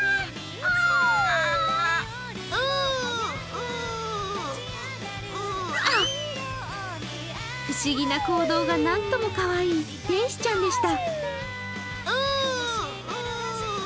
うあ、不思議な行動が何ともかわいい天使ちゃんでした。